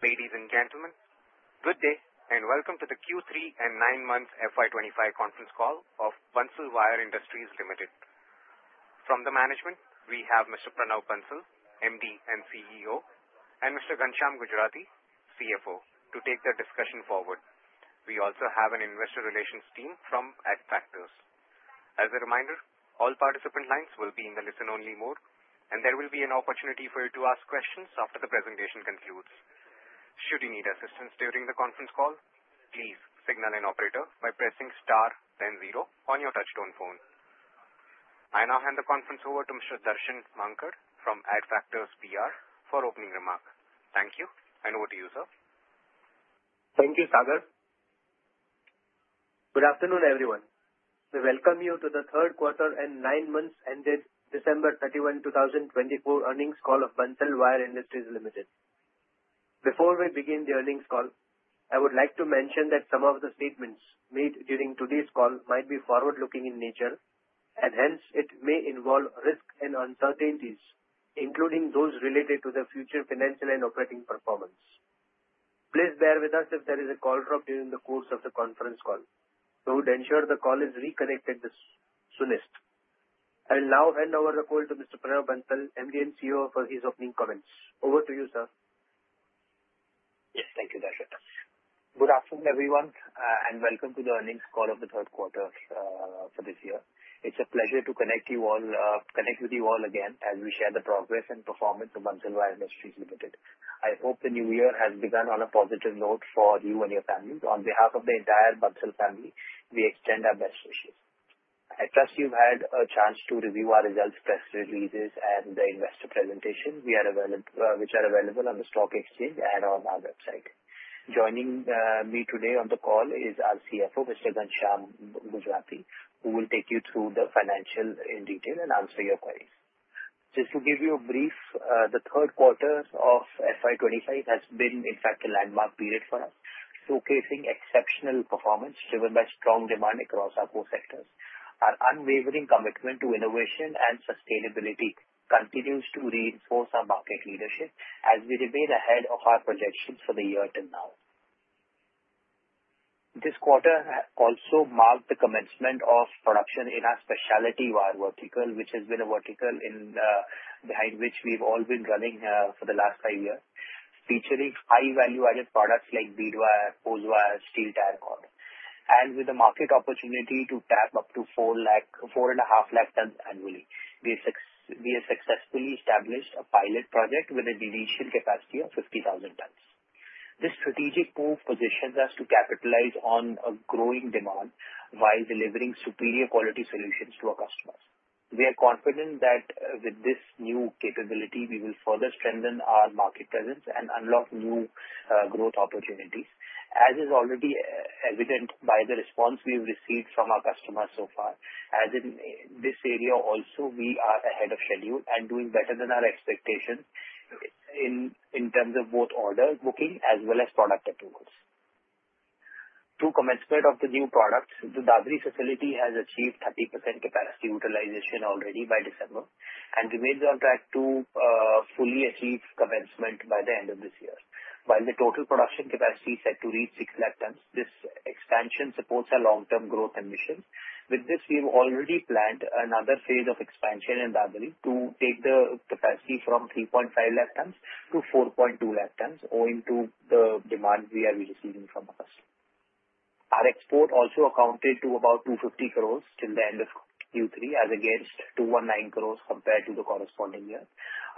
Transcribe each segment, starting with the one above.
Ladies and gentlemen, good day and welcome to the Q3 and 9-month FY 2025 conference call of Bansal Wire Industries Limited. From the management, we have Mr. Pranav Bansal, MD and CEO, and Mr. Ghanshyam Gujrati, CFO, to take the discussion forward. We also have an investor relations team from Adfactors. As a reminder, all participant lines will be in the listen-only mode, and there will be an opportunity for you to ask questions after the presentation concludes. Should you need assistance during the conference call, please signal an operator by pressing star, then zero on your touch-tone phone. I now hand the conference over to Mr. Darshan Mankad from Adfactors PR for opening remarks. Thank you and over to you, sir. Thank you, Sagar. Good afternoon, everyone. We welcome you to the third quarter and nine months ended December 31, 2024 earnings call of Bansal Wire Industries Limited. Before we begin the earnings call, I would like to mention that some of the statements made during today's call might be forward-looking in nature, and hence it may involve risk and uncertainties, including those related to the future financial and operating performance. Please bear with us if there is a call drop during the course of the conference call. We would ensure the call is reconnected as soon as possible. I will now hand over the call to Mr. Pranav Bansal, MD and CEO, for his opening comments. Over to you, sir. Yes, thank you, Darshan. Good afternoon, everyone, and welcome to the earnings call of the third quarter for this year. It's a pleasure to connect with you all again as we share the progress and performance of Bansal Wire Industries Limited. I hope the new year has begun on a positive note for you and your family. On behalf of the entire Bansal family, we extend our best wishes. I trust you've had a chance to review our results, press releases, and the investor presentations which are available on the stock exchange and on our website. Joining me today on the call is our CFO, Mr. Ghanshyam Gujrati, who will take you through the financials in detail and answer your queries. Just to give you a brief, the third quarter of FY 2025 has been, in fact, a landmark period for us, showcasing exceptional performance driven by strong demand across our four sectors. Our unwavering commitment to innovation and sustainability continues to reinforce our market leadership as we remain ahead of our projections for the year till now. This quarter also marked the commencement of production in our specialty wire vertical, which has been a vertical behind which we've all been running for the last five years, featuring high-value-added products like bead wire, hose wire, steel tyre cord, and with a market opportunity to tap up to four and a half lakh tons annually. We have successfully established a pilot project with a production capacity of 50,000 tons. This strategic move positions us to capitalize on a growing demand while delivering superior quality solutions to our customers. We are confident that with this new capability, we will further strengthen our market presence and unlock new growth opportunities, as is already evident by the response we've received from our customers so far. As in this area, also, we are ahead of schedule and doing better than our expectations in terms of both order booking as well as product approvals. To commence with the new products, the Dadri facility has achieved 30% capacity utilization already by December and remains on track to fully achieve commencement by the end of this year. While the total production capacity is set to reach six lakh tons, this expansion supports our long-term growth ambitions. With this, we have already planned another phase of expansion in Dadri to take the capacity from 3.5 lakh tons to 4.2 lakh tons, owing to the demand we are receiving from the customers. Our export also accounted to about 250 crores till the end of Q3, as against 219 crores compared to the corresponding year,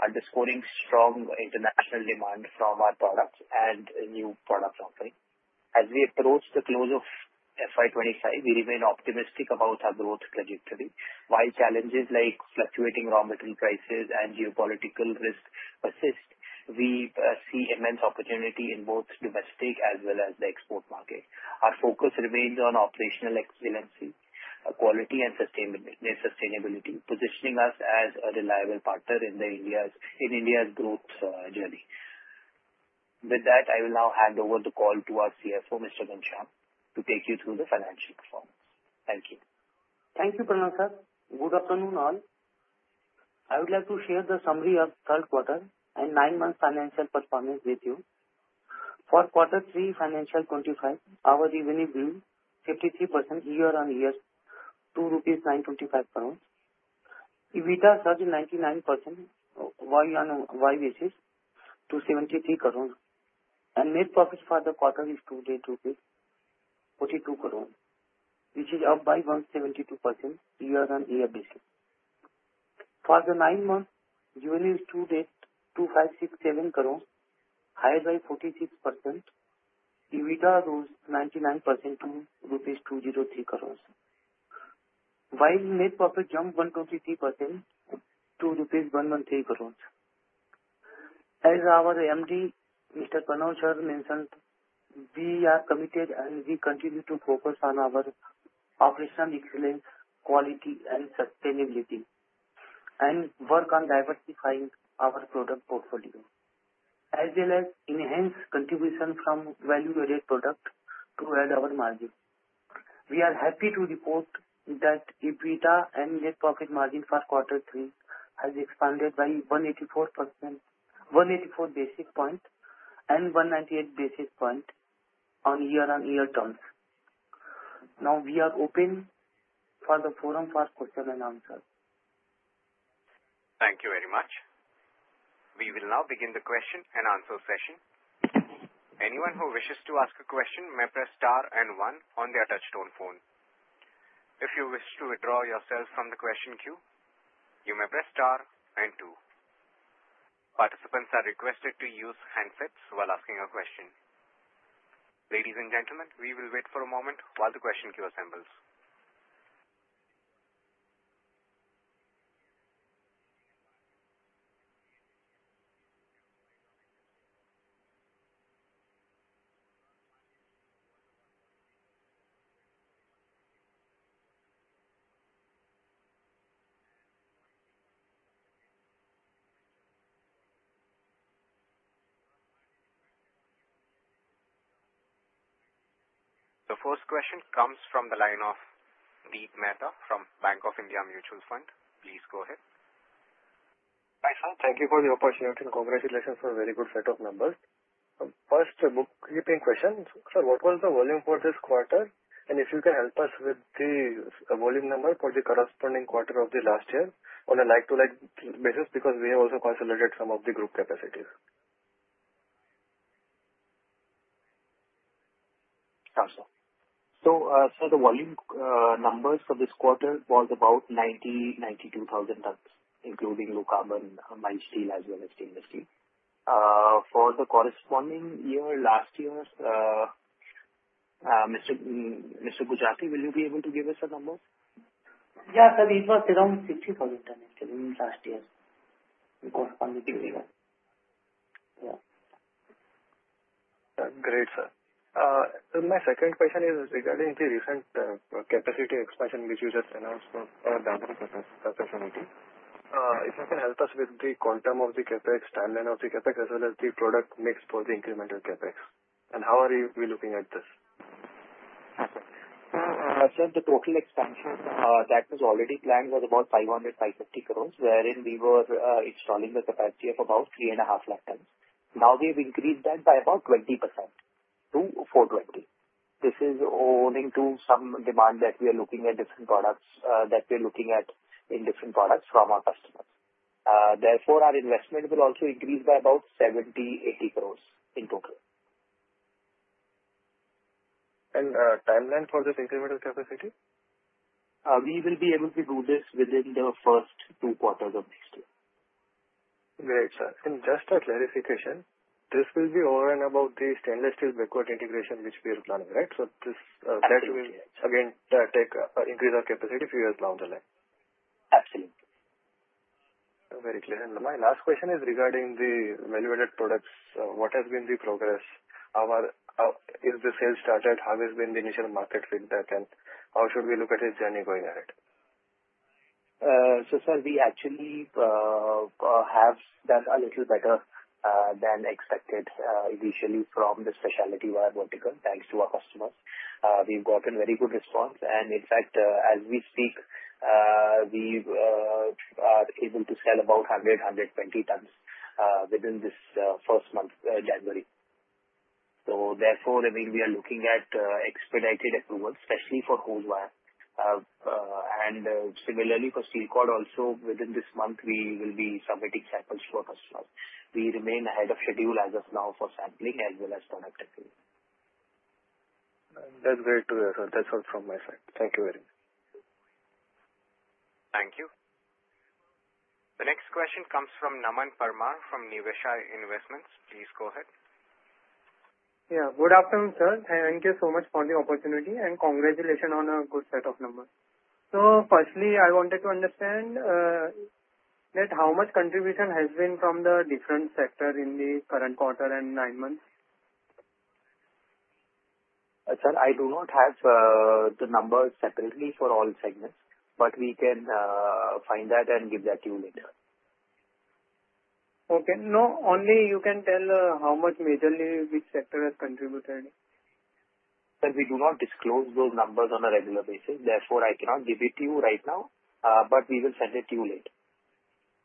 underscoring strong international demand from our products and new product offering. As we approach the close of FY 2025, we remain optimistic about our growth trajectory. While challenges like fluctuating raw material prices and geopolitical risk persist, we see immense opportunity in both domestic as well as the export market. Our focus remains on operational excellence, quality, and sustainability, positioning us as a reliable partner in India's growth journey. With that, I will now hand over the call to our CFO, Mr. Ghanshyam, to take you through the financial performance. Thank you. Thank you, Pranav sir. Good afternoon, all. I would like to share the summary of third quarter and nine-month financial performance with you. For quarter three, FY 2025, our revenue grew 53% year-on-year to INR 925 crores. EBITDA surged 99% YoY basis to INR 73 crores, and net profit for the quarter stood at INR 42 crores, which is up by 172% year-on-year basis. For the nine-month revenue stood at 2567 crores, higher by 46%. EBITDA rose 99% to rupees 203 crores, while net profit jumped 123% to rupees 113 crores. As our MD, Mr. Pranav sir, mentioned, we are committed and we continue to focus on our operational excellence, quality, and sustainability, and work on diversifying our product portfolio, as well as enhance contribution from value-added product to add our margin. We are happy to report that EBITDA and net profit margin for quarter three has expanded by 184 basis points and 198 basis points on year-on-year terms. Now, we are open for the forum for questions and answers. Thank you very much. We will now begin the question and answer session. Anyone who wishes to ask a question may press star and one on their touch-tone phone. If you wish to withdraw yourself from the question queue, you may press star and two. Participants are requested to use handsets while asking a question. Ladies and gentlemen, we will wait for a moment while the question queue assembles. The first question comes from the line of Deep Mehta from Bank of India Mutual Fund. Please go ahead. Hi, sir. Thank you for the opportunity and congratulations for a very good set of numbers. First, a bookkeeping question. Sir, what was the volume for this quarter? And if you can help us with the volume number for the corresponding quarter of the last year on a like-to-like basis because we have also consolidated some of the group capacities? Sir, the volume numbers for this quarter was about 90,000-92,000 tons, including low-carbon mild steel as well as stainless steel. For the corresponding year, last year, Mr. Gujrati, will you be able to give us the numbers? Yeah, sir, it was around 60,000 tons last year in corresponding year. Great, sir. My second question is regarding the recent capacity expansion which you just announced for Dadri's opportunity. If you can help us with the quantum of the CapEx, timeline of the CapEx, as well as the product mix for the incremental CapEx, and how are we looking at this? Sir, the total expansion that was already planned was about 500 crores-550 crores, wherein we were installing the capacity of about 3.5 lakh tons. Now, we have increased that by about 20% to 420. This is owing to some demand that we are looking at different products in different products from our customers. Therefore, our investment will also increase by about 70 crores-80 crores in total. Timeline for this incremental capacity? We will be able to do this within the first two quarters of next year. Great, sir. And just a clarification, this will be all about the stainless steel backward integration which we are planning, right? So that will, again, increase our capacity a few years down the line. Absolutely. Very clear. And my last question is regarding the value-added products. What has been the progress? Is the sales started? How has been the initial market feedback? And how should we look at the journey going ahead? So, sir, we actually have done a little better than expected initially from the specialty wire vertical thanks to our customers. We've gotten very good response. And in fact, as we speak, we are able to sell about 100-120 tons within this first month, January. So, therefore, we are looking at expedited approval, especially for hose wire. And similarly, for steel cord, also within this month, we will be submitting samples to our customers. We remain ahead of schedule as of now for sampling as well as product testing. That's great to hear, sir. That's all from my side. Thank you very much. Thank you. The next question comes from Naman Parmar from Niveshaay Investment Advisors. Please go ahead. Yeah, good afternoon, sir. Thank you so much for the opportunity and congratulations on a good set of numbers. So, firstly, I wanted to understand how much contribution has been from the different sectors in the current quarter and nine months? Sir, I do not have the numbers separately for all segments, but we can find that and give that to you later. Okay. No, only you can tell how much majorly which sector has contributed. Sir, we do not disclose those numbers on a regular basis. Therefore, I cannot give it to you right now, but we will send it to you later.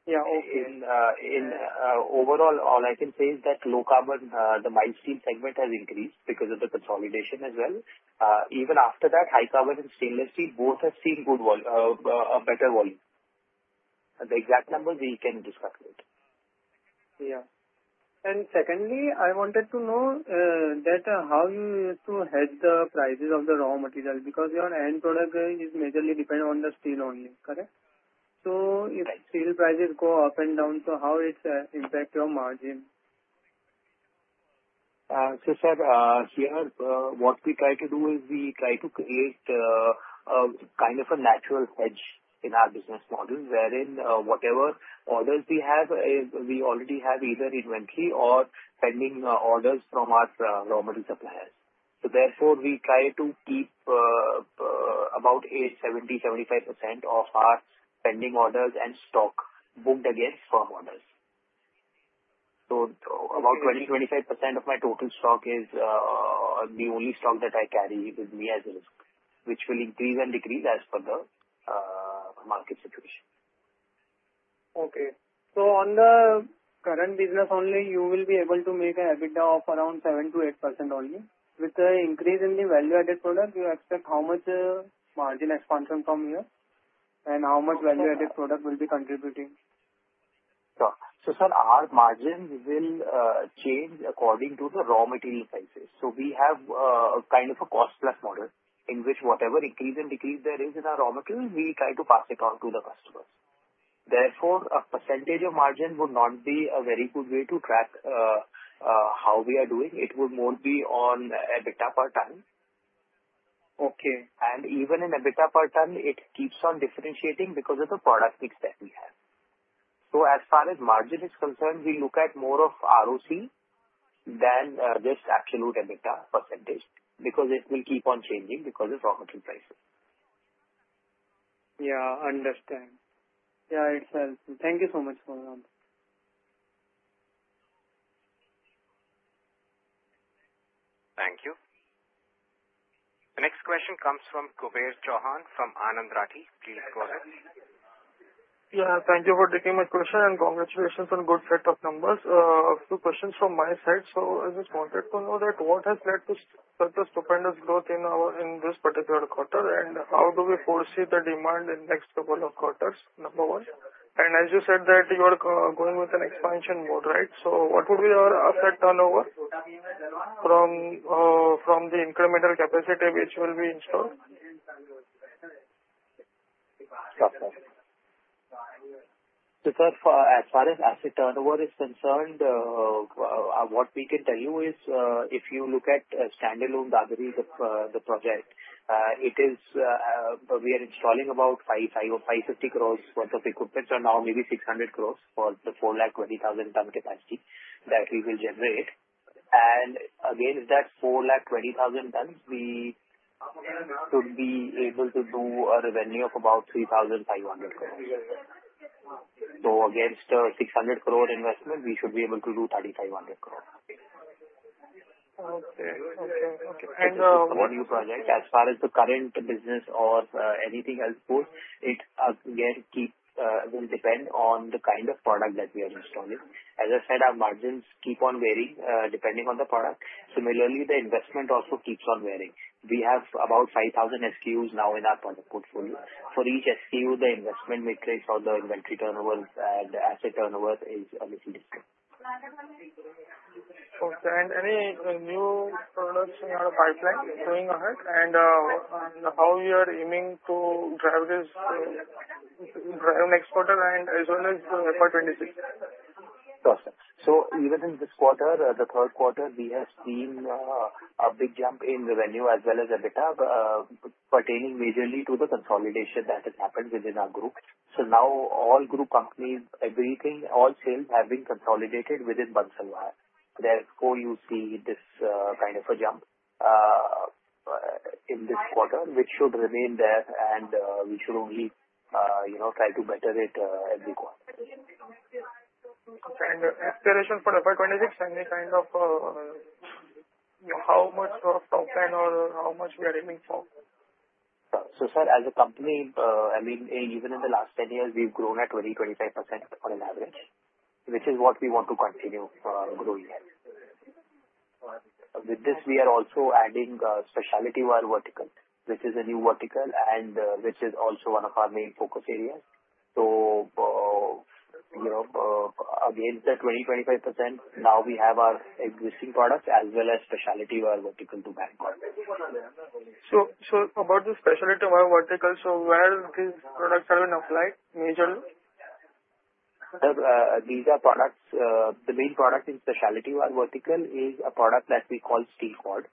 Yeah, okay. Overall, all I can say is that low-carbon, the mild steel segment has increased because of the consolidation as well. Even after that, high-carbon and stainless steel both have seen a better volume. The exact numbers, we can discuss later. Yeah. And secondly, I wanted to know how you used to hedge the prices of the raw material because your end product is majorly dependent on the steel only, correct? So if steel prices go up and down, how does it impact your margin? So, sir, here, what we try to do is we try to create a kind of a natural hedge in our business model, wherein whatever orders we have, we already have either inventory or pending orders from our raw material suppliers. So, therefore, we try to keep about 70%-75% of our pending orders and stock booked against firm orders. So about 20%-25% of my total stock is the only stock that I carry with me as a risk, which will increase and decrease as per the market situation. Okay. So on the current business only, you will be able to make an EBITDA of around 7%-8% only. With the increase in the value-added product, you expect how much margin expansion from here and how much value-added product will be contributing? So, sir, our margins will change according to the raw material prices. So we have a kind of a cost-plus model in which whatever increase and decrease there is in our raw materials, we try to pass it on to the customers. Therefore, a percentage of margin would not be a very good way to track how we are doing. It would more be on EBITDA per ton. Okay. And even in EBITDA per ton, it keeps on differentiating because of the product mix that we have. So as far as margin is concerned, we look at more of ROCE than just absolute EBITDA percentage because it will keep on changing because of raw material prices. Yeah, understand. Yeah, it's helpful. Thank you so much for that. Thank you. The next question comes from Kuber Chauhan from Anand Rathi. Please go ahead. Yeah, thank you for taking my question and congratulations on a good set of numbers. A few questions from my side, so I just wanted to know that what has led to such a stupendous growth in this particular quarter, and how do we foresee the demand in the next couple of quarters, number one, and as you said that you are going with an expansion mode, right, so what would be your asset turnover from the incremental capacity which will be installed? So, sir, as far as asset turnover is concerned, what we can tell you is if you look at standalone Dadri's project, we are installing about 550 crore worth of equipment, so now maybe 600 crore for the 420,000-ton capacity that we will generate, and against that 420,000 tons, we should be able to do a revenue of about 3,500 crore, so against a 600-crore investment, we should be able to do 3,500 crore. Okay. Okay. Okay. And the value project, as far as the current business or anything else goes, it again will depend on the kind of product that we are installing. As I said, our margins keep on varying depending on the product. Similarly, the investment also keeps on varying. We have about 5,000 SKUs now in our product portfolio. For each SKU, the investment matrix or the inventory turnover and asset turnover is a little different. Okay. And any new products in your pipeline going ahead and how you are aiming to drive this next quarter and as well as for 26? Sure, sir. So even in this quarter, the third quarter, we have seen a big jump in revenue as well as EBITDA pertaining majorly to the consolidation that has happened within our group. So now all group companies, everything, all sales have been consolidated within Bansal Wire. Therefore, you see this kind of a jump in this quarter, which should remain there, and we should only try to better it every quarter. Expansion for the 2026, any kind of how much top line or how much we are aiming for? Sir, as a company, I mean, even in the last 10 years, we've grown at 20%-25% on an average, which is what we want to continue growing at. With this, we are also adding specialty wire vertical, which is a new vertical and which is also one of our main focus areas. Against the 20%-25%, now we have our existing products as well as specialty wire vertical to bank products. About the specialty wire vertical, so where these products have been applied majorly? These are products. The main product in specialty wire vertical is a product that we call steel cord.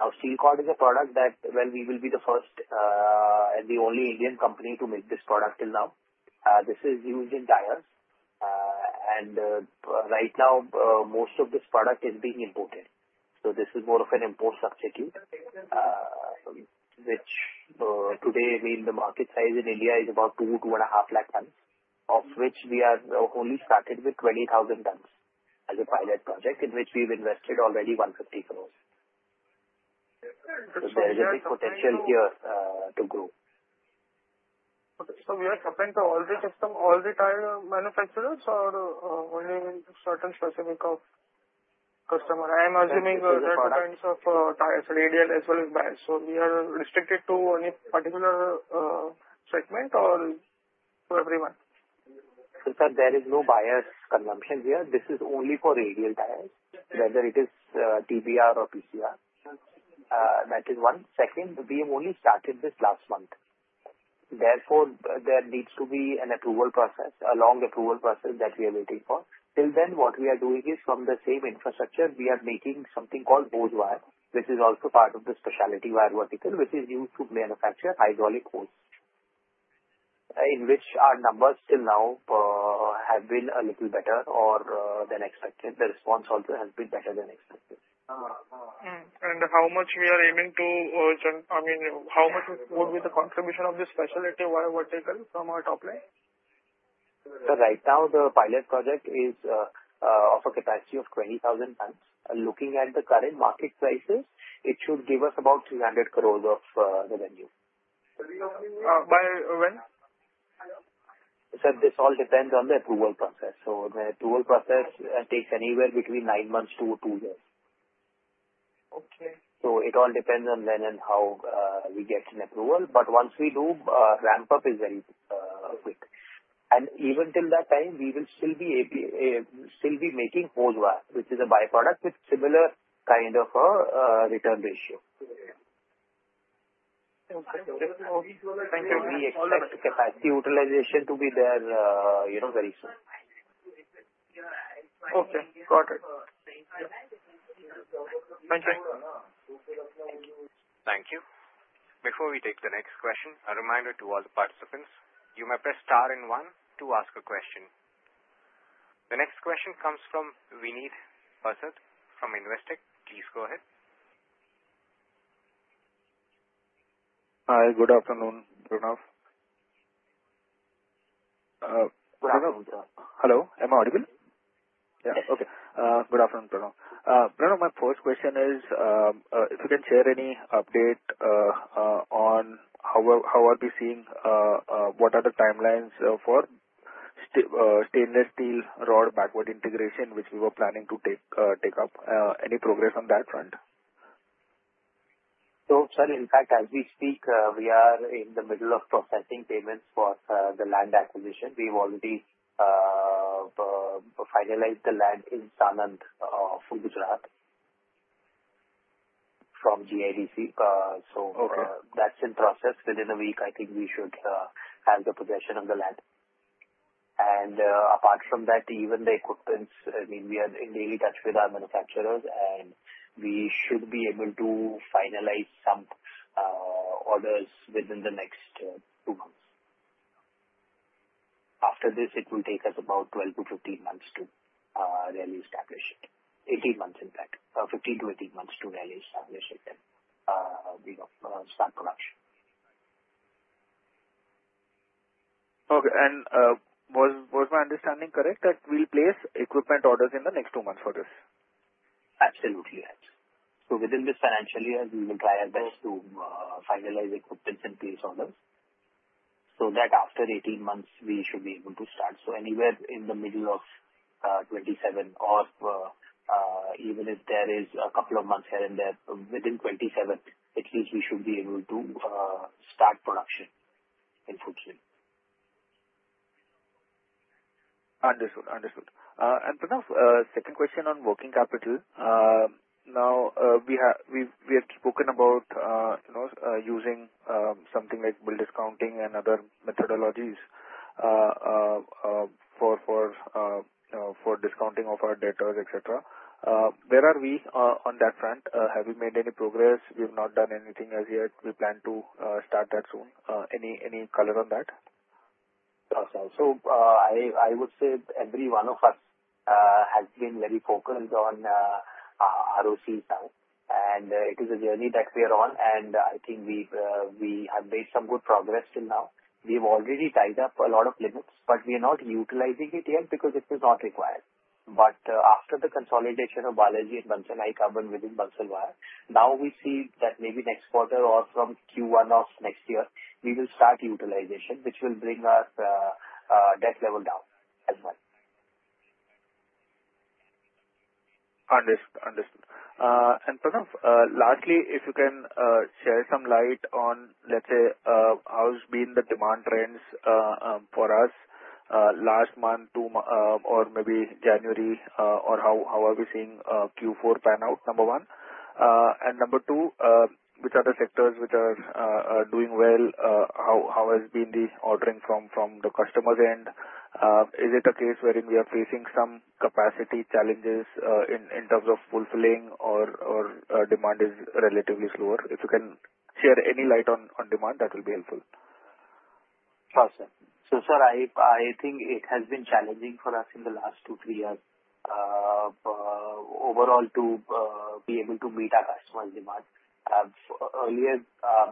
Now, steel cord is a product that, well, we will be the first and the only Indian company to make this product till now. This is used in tyres, and right now, most of this product is being imported, so this is more of an import substitute, which today means the market size in India is about 2-2.5 lakh tons, of which we have only started with 20,000 tons as a pilot project in which we've invested already 150 crore, so there is a big potential here to grow. Okay. So we are comparing to all the customers, all the tyre manufacturers, or only certain specific customers? I am assuming that the kinds of tyres, radial as well as bias. So we are restricted to any particular segment or to everyone? So, sir, there is no bias consumption here. This is only for radial tyres, whether it is TBR or PCR. That is one. Second, we have only started this last month. Therefore, there needs to be an approval process, a long approval process that we are waiting for. Till then, what we are doing is from the same infrastructure, we are making something called hose wire, which is also part of the specialty wire vertical, which is used to manufacture hydraulic hose, in which our numbers till now have been a little better than expected. The response also has been better than expected. How much we are aiming to, I mean, how much would be the contribution of the specialty wire vertical from our top line? Sir, right now, the pilot project is of a capacity of 20,000 tons. Looking at the current market prices, it should give us about 300 crores of revenue. By when? Sir, this all depends on the approval process. So the approval process takes anywhere between nine months to two years. So it all depends on when and how we get an approval. But once we do, ramp-up is very quick. And even till that time, we will still be making hose wire, which is a byproduct with similar kind of return ratio. Okay. We expect capacity utilization to be there very soon. Okay. Got it. Thank you. Thank you. Before we take the next question, a reminder to all the participants, you may press star and one to ask a question. The next question comes from Veenit Pasad from Investec. Please go ahead. Hi, good afternoon, Pranav. Hello. Am I audible? Yeah. Okay. Good afternoon, Pranav. Pranav, my first question is, if you can share any update on how are we seeing what are the timelines for stainless steel rod backward integration, which we were planning to take up. Any progress on that front? So, sir, in fact, as we speak, we are in the middle of processing payments for the land acquisition. We've already finalized the land in Sanand for Gujarat from GIDC. So that's in process. Within a week, I think we should have the possession of the land. And apart from that, even the equipment, I mean, we are in daily touch with our manufacturers, and we should be able to finalize some orders within the next two months. After this, it will take us about 12 to 15 months to really establish it. 18 months, in fact. 15 to 18 months to really establish it and start production. Okay. And was my understanding correct that we'll place equipment orders in the next two months for this? Absolutely, yes. So within this financial year, we will try our best to finalize equipment and place orders so that after 18 months, we should be able to start. So anywhere in the middle of 2027, or even if there is a couple of months here and there, within 2027, at least we should be able to start production in full scale. Understood. Understood. And Pranav, second question on working capital. Now, we have spoken about using something like bill discounting and other methodologies for discounting of our debtors, etc. Where are we on that front? Have we made any progress? We have not done anything as yet. We plan to start that soon. Any color on that? I would say every one of us has been very focused on ROCE now. It is a journey that we are on, and I think we have made some good progress till now. We have already tied up a lot of limits, but we are not utilizing it yet because it is not required. After the consolidation of Balaji Wires and Bansal Wire, within Bansal Wire, now we see that maybe next quarter or from Q1 of next year, we will start utilization, which will bring our debt level down as well. Understood. And Pranav, lastly, if you can shed some light on, let's say, how's been the demand trends for us last month or maybe January, or how are we seeing Q4 pan out, number one? And number two, which are the sectors which are doing well? How has been the ordering from the customer's end? Is it a case wherein we are facing some capacity challenges in terms of fulfilling, or demand is relatively slower? If you can shed some light on demand, that will be helpful. Sure, sir. So, sir, I think it has been challenging for us in the last two, three years overall to be able to meet our customer's demand. Earlier,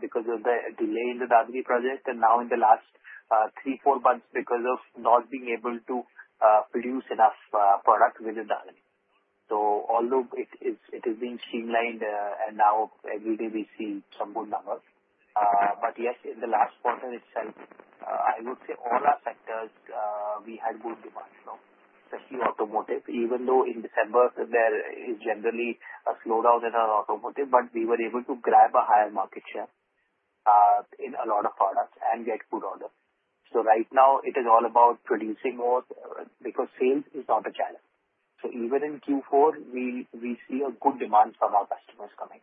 because of the delay in the Dadri project, and now in the last three, four months, because of not being able to produce enough product within Dadri. So although it is being streamlined, and now every day we see some good numbers. But yes, in the last quarter itself, I would say all our sectors, we had good demand flow, especially automotive. Even though in December, there is generally a slowdown in our automotive, but we were able to grab a higher market share in a lot of products and get good orders. So right now, it is all about producing more because sales is not a challenge. So even in Q4, we see a good demand from our customers coming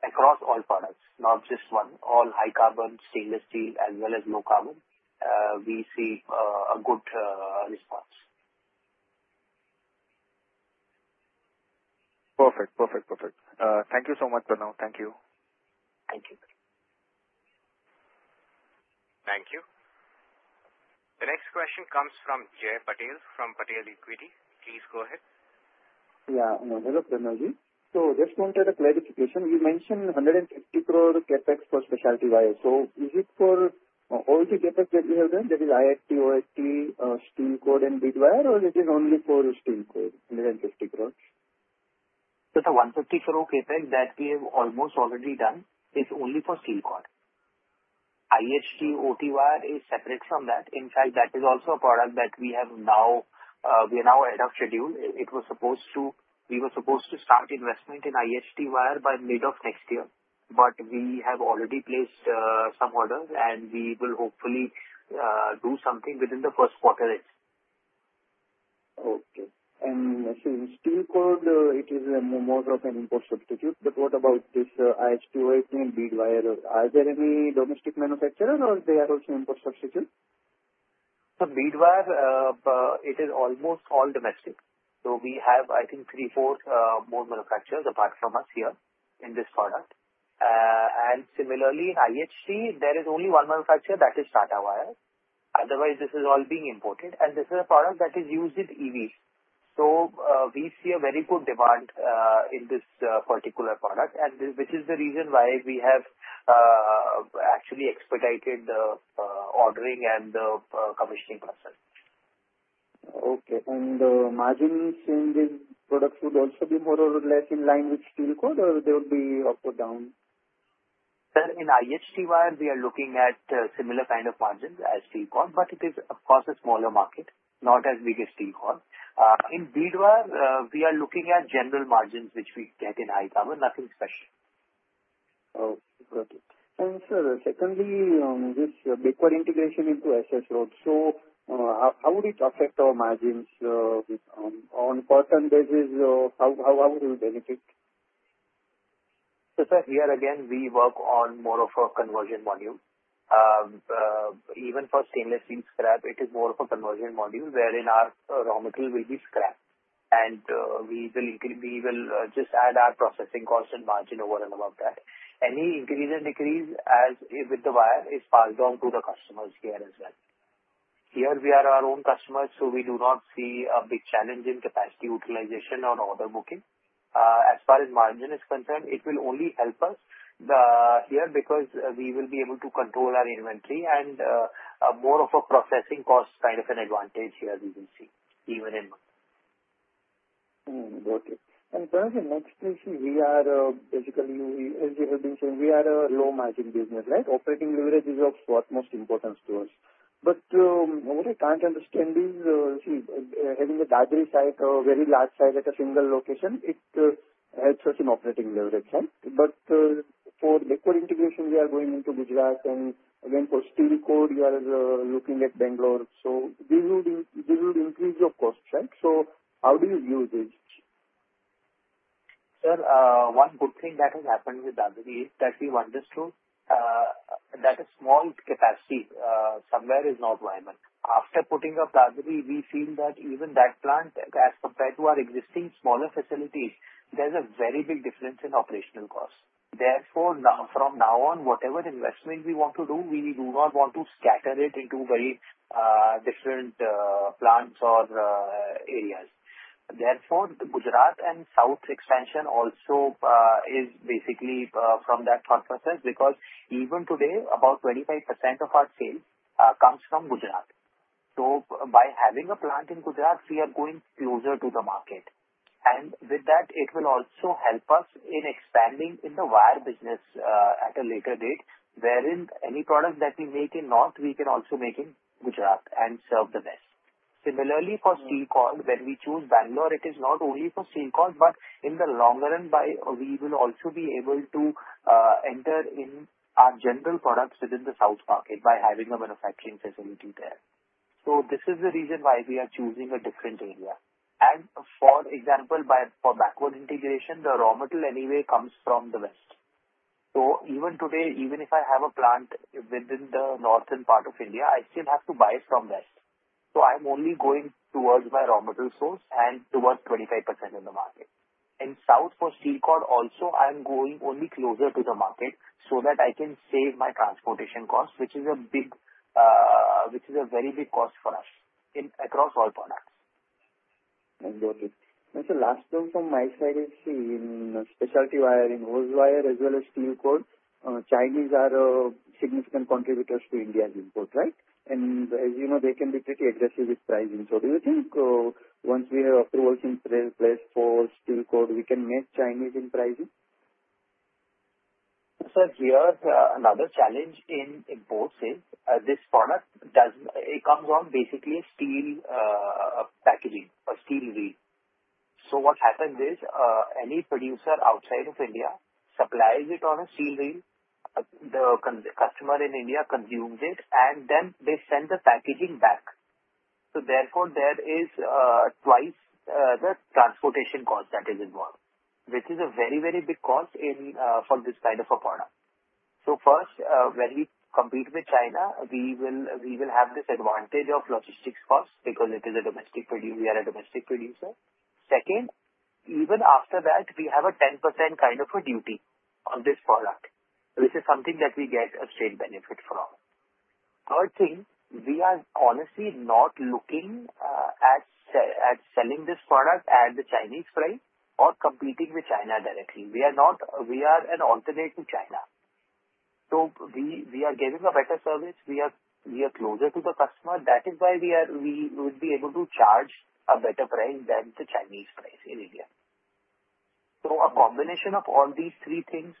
across all products, not just one. All high carbon, stainless steel, as well as low carbon. We see a good response. Perfect. Perfect. Perfect. Thank you so much, Pranav. Thank you. Thank you. Thank you. The next question comes from Jay Patel from Patel Equity. Please go ahead. Yeah. Hello, Pranav. So just wanted a clarification. You mentioned 150 crore CapEx for specialty wire. So is it for all the CapEx that you have done, that is IHT, OHT, steel cord, and bead wire, or is it only for steel cord, 150 crores? Sir, the INR 150 crore CapEx that we have almost already done is only for steel cord. IHT, OHT wire is separate from that. In fact, that is also a product that we have now. We are now ahead of schedule. We were supposed to start investment in IHT wire by mid of next year, but we have already placed some orders, and we will hopefully do something within the first quarter itself. Okay. And I see steel cord, it is more of an import substitute. But what about this IHT, OHT, and bead wire? Are there any domestic manufacturers, or they are also import substitute? So, Bead Wire, it is almost all domestic. So we have, I think, three-fourths more manufacturers apart from us here in this product. And similarly, IHT, there is only one manufacturer that is Tata Wire. Otherwise, this is all being imported. And this is a product that is used in EVs. So we see a very good demand in this particular product, which is the reason why we have actually expedited the ordering and the commissioning process. Okay. And margin change in products would also be more or less in line with steel cord, or they would be up or down? Sir, in IHT wire, we are looking at similar kind of margins as steel cord, but it is, of course, a smaller market, not as big as steel cord. In bead wire, we are looking at general margins which we get in high carbon, nothing special. Oh, got it. And, sir, secondly, this backward integration into steel rods, so how would it affect our margins on quarterly basis? How would it benefit? So, sir, here again, we work on more of a conversion module. Even for stainless steel scrap, it is more of a conversion module wherein our raw material will be scrap, and we will just add our processing cost and margin over and above that. Any increase and decrease with the wire is passed on to the customers here as well. Here, we are our own customers, so we do not see a big challenge in capacity utilization or order booking. As far as margin is concerned, it will only help us here because we will be able to control our inventory and more of a processing cost kind of an advantage here we will see even in months. Got it. And Pranav, the next question, we are basically, as you have been saying, we are a low margin business, right? Operating leverage is of utmost importance to us. But what I can't understand is, see, having a Dadri site, a very large site at a single location, it helps us in operating leverage, right? But for backward integration, we are going into Gujarat, and again, for steel cord, you are looking at Bengaluru. So this would increase your cost, right? So how do you view this? Sir, one good thing that has happened with Dadri is that we've understood that a small capacity somewhere is not viable. After putting up Dadri, we feel that even that plant, as compared to our existing smaller facilities, there's a very big difference in operational cost. Therefore, from now on, whatever investment we want to do, we do not want to scatter it into very different plants or areas. Therefore, the Gujarat and South expansion also is basically from that thought process because even today, about 25% of our sales comes from Gujarat. So by having a plant in Gujarat, we are going closer to the market. And with that, it will also help us in expanding in the wire business at a later date wherein any product that we make in North, we can also make in Gujarat and serve the West. Similarly, for steel cord, when we choose Bengaluru, it is not only for steel cord, but in the long run, we will also be able to enter in our general products within the South market by having a manufacturing facility there. So this is the reason why we are choosing a different area, and for example, for backward integration, the raw material anyway comes from the West, so even today, even if I have a plant within the northern part of India, I still have to buy it from West, so I'm only going towards my raw material source and towards 25% of the market. In South, for steel cord also, I'm going only closer to the market so that I can save my transportation cost, which is a very big cost for us across all products. Got it. And sir, last one from my side is, see, in specialty wire, in hose wire as well as steel cord, Chinese are significant contributors to India's import, right? And as you know, they can be pretty aggressive with pricing. So do you think once we have approvals in place for steel cord, we can match Chinese in pricing? Sir, here's another challenge in imports is this product comes on basically steel packaging or steel reel. So what happens is any producer outside of India supplies it on a steel reel. The customer in India consumes it, and then they send the packaging back. So therefore, there is twice the transportation cost that is involved, which is a very, very big cost for this kind of a product. So first, when we compete with China, we will have this advantage of logistics costs because it is a domestic producer. We are a domestic producer. Second, even after that, we have a 10% kind of a duty on this product, which is something that we get a straight benefit from. Third thing, we are honestly not looking at selling this product at the Chinese price or competing with China directly. We are an alternate to China. So we are giving a better service. We are closer to the customer. That is why we would be able to charge a better price than the Chinese price in India. So a combination of all these three things,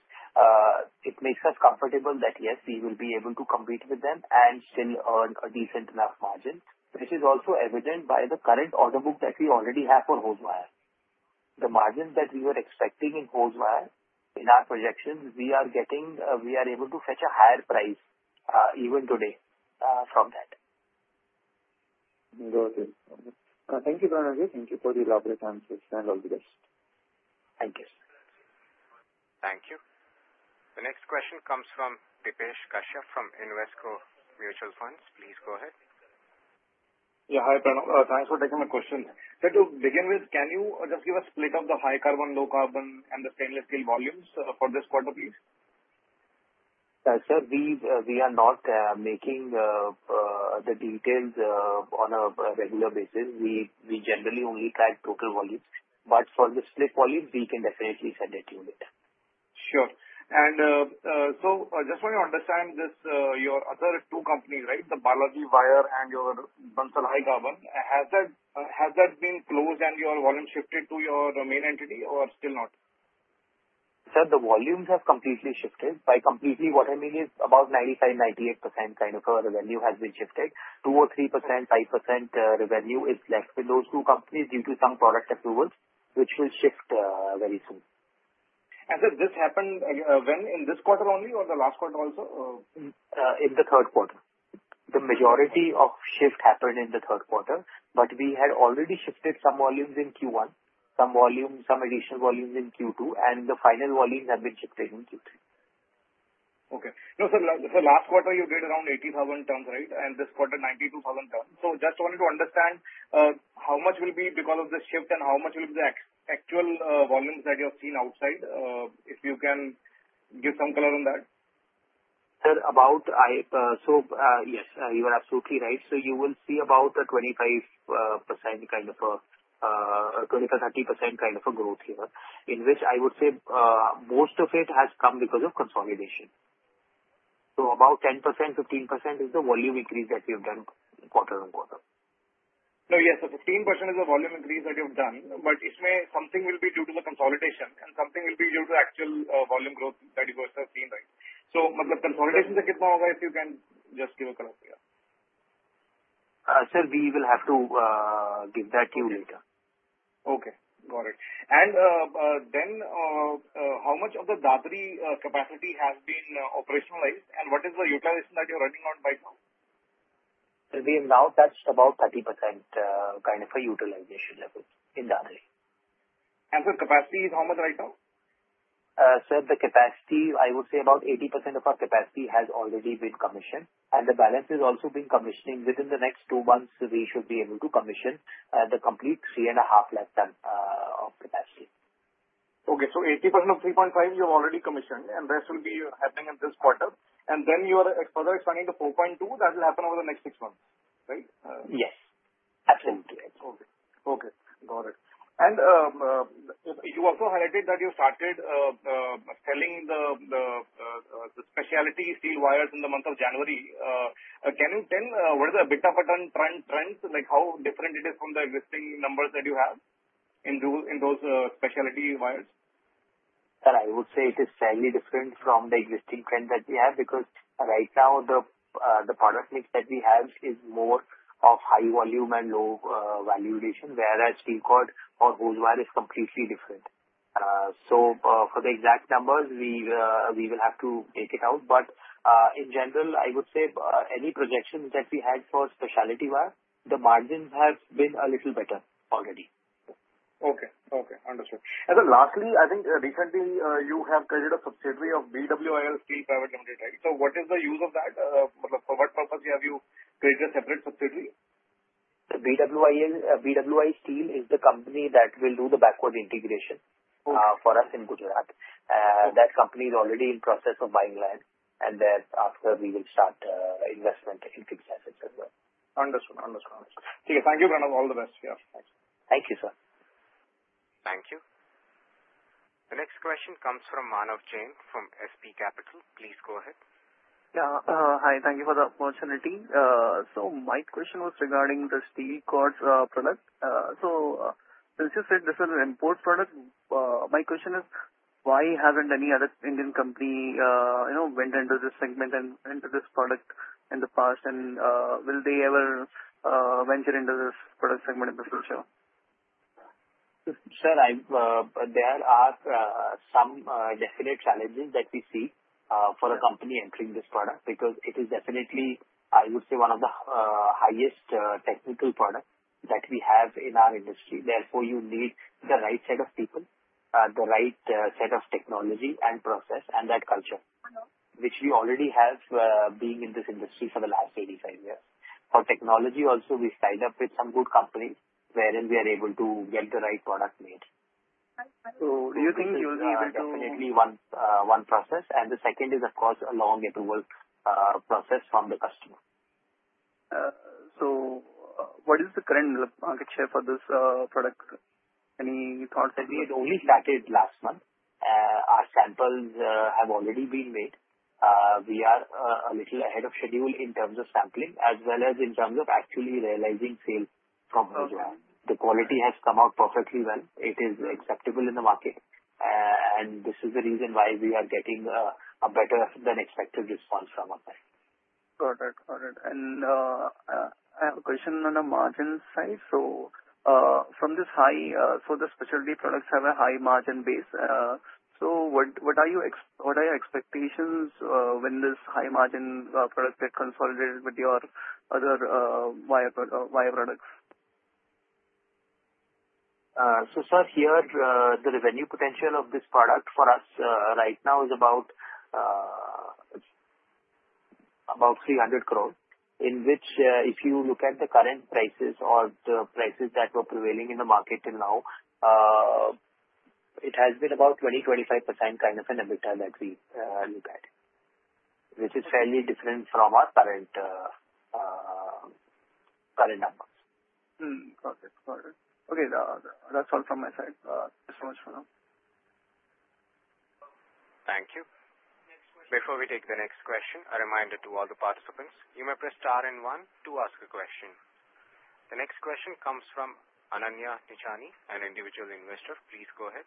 it makes us comfortable that, yes, we will be able to compete with them and still earn a decent enough margin, which is also evident by the current order book that we already have for hose wire. The margin that we were expecting in hose wire, in our projections, we are getting. We are able to fetch a higher price even today from that. Got it. Thank you, Pranav. Thank you for the elaborate answers, and all the best. Thank you. Thank you. The next question comes from Depesh Kashyap from Invesco Mutual Fund. Please go ahead. Yeah. Hi, Pranav. Thanks for taking my question. Sir, to begin with, can you just give a split of the high carbon, low carbon, and the stainless steel volumes for this quarter, please? Sir, we are not maintaining the details on a regular basis. We generally only track total volumes, but for the split volumes, we can definitely send it to you. Sure. And so I just want to understand this. Your other two companies, right, the Balaji Wire and your Bansal High Carbon, has that been closed and your volume shifted to your main entity, or still not? Sir, the volumes have completely shifted. By completely, what I mean is about 95%-98% kind of a revenue has been shifted. 2% or 3%, 5% revenue is left with those two companies due to some product approvals, which will shift very soon. Sir, this happened when? In this quarter only, or the last quarter also? In the third quarter. The majority of shift happened in the third quarter, but we had already shifted some volumes in Q1, some additional volumes in Q2, and the final volumes have been shifted in Q3. Okay. No, sir, last quarter, you did around 80,000 tons, right? And this quarter, 92,000 tons. So just wanted to understand how much will be because of this shift and how much will be the actual volumes that you have seen outside, if you can give some color on that? Sir, yes, you are absolutely right. So you will see about a 25% kind of a 20%-30% kind of a growth here, in which I would say most of it has come because of consolidation. So about 10%-15% is the volume increase that we have done quarter-on-quarter. No, yes, 15% is the volume increase that you have done, but maybe something will be due to the consolidation and something will be due to actual volume growth that you guys have seen, right? So consolidation is it done now, right? If you can just give a color here? Sir, we will have to give that to you later. Okay. Got it. And then how much of the Dadri capacity has been operationalized, and what is the utilization that you're running on right now? Sir, we have now touched about 30% kind of a utilization level in Dadri. Sir, capacity is how much right now? Sir, the capacity, I would say about 80% of our capacity has already been commissioned, and the balance is also being commissioned. Within the next two months, we should be able to commission the complete 3.5 lakh tons of capacity. Okay. So 80% of 3.5, you have already commissioned, and this will be happening in this quarter. And then you are further expanding to 4.2. That will happen over the next six months, right? Yes. Absolutely. Okay. Got it. And you also highlighted that you started selling the specialty steel wires in the month of January. Can you tell us a bit about the trend, how different it is from the existing numbers that you have in those specialty wires? Sir, I would say it is slightly different from the existing trend that we have because right now, the product mix that we have is more of high volume and low value addition, whereas steel cord or hose wire is completely different. So for the exact numbers, we will have to take it out. But in general, I would say any projections that we had for specialty wire, the margins have been a little better already. Okay. Okay. Understood. And then lastly, I think recently, you have created a subsidiary of BWI Steel Private Limited, right? So what is the use of that? For what purpose have you created a separate subsidiary? BWI Steel is the company that will do the backward integration for us in Gujarat. That company is already in process of buying land, and then after, we will start investment in CapEx assets as well. Understood. Understood. Okay. Thank you, Pranav. All the best. Yeah. Thank you, sir. Thank you. The next question comes from Manav Jain from SP Capital. Please go ahead. Yeah. Hi. Thank you for the opportunity. So my question was regarding the steel cord product. So as you said, this is an import product. My question is, why hasn't any other Indian company ventured into this segment and into this product in the past? And will they ever venture into this product segment in the future? Sir, there are some definite challenges that we see for a company entering this product because it is definitely, I would say, one of the highest technical products that we have in our industry. Therefore, you need the right set of people, the right set of technology and process, and that culture, which we already have being in this industry for the last 85 years. For technology also, we signed up with some good companies wherein we are able to get the right product made. So do you think you'll be able to? There is definitely one process. The second is, of course, a long approval process from the customer. So what is the current market share for this product? Any thoughts? We had only started last month. Our samples have already been made. We are a little ahead of schedule in terms of sampling as well as in terms of actually realizing sales from Gujarat. The quality has come out perfectly well. It is acceptable in the market, and this is the reason why we are getting a better-than-expected response from our side. Got it. Got it. And I have a question on the margin side. So from this high, so the specialty products have a high margin base. So what are your expectations when this high margin product gets consolidated with your other wire products? So sir, here, the revenue potential of this product for us right now is about 300 crore, in which if you look at the current prices or the prices that were prevailing in the market till now, it has been about 20%-25% kind of an EBITDA that we look at, which is fairly different from our current numbers. Got it. Got it. Okay. That's all from my side. Thanks so much for now. Thank you. Before we take the next question, a reminder to all the participants, you may press star and one to ask a question. The next question comes from Ananya Nichani, an individual investor. Please go ahead.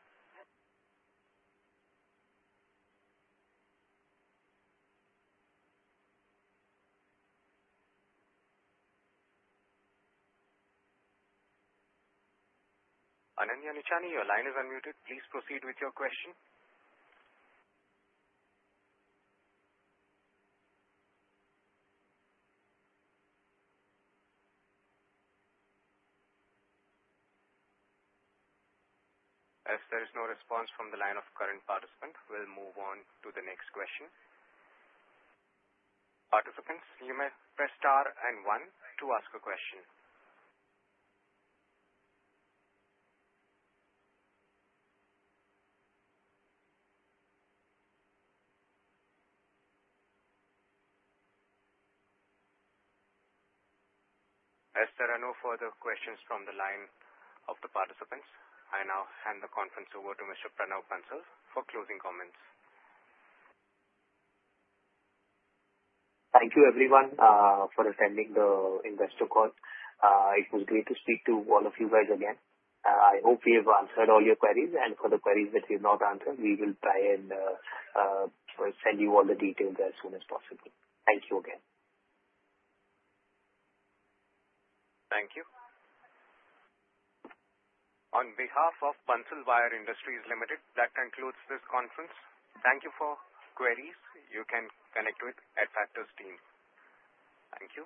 Ananya Nichani, your line is unmuted. Please proceed with your question. As there is no response from the line of current participant, we'll move on to the next question. Participants, you may press star and one to ask a question. As there are no further questions from the line of the participants, I now hand the conference over to Mr. Pranav Bansal for closing comments. Thank you, everyone, for attending the investor call. It was great to speak to all of you guys again. I hope we have answered all your queries, and for the queries that we have not answered, we will try and send you all the details as soon as possible. Thank you again. Thank you. On behalf of Bansal Wire Industries Limited, that concludes this conference. Thank you for queries. You can connect with Adfactors team. Thank you.